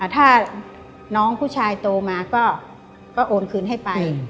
ถ้าน้องผู้ชายโตมาก็โอนคืนให้ไป